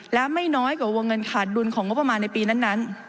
และไม่น้อยกว่าวงเงินขาดดุลของงบประมาณในปีนั้น